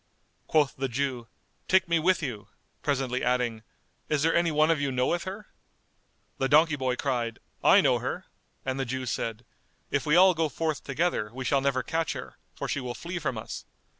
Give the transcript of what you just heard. Quoth the Jew, "Take me with you," presently adding, "Is there any one of you knoweth her?" The donkey boy cried, "I know her;" and the Jew said, "If we all go forth together, we shall never catch her; for she will flee from us.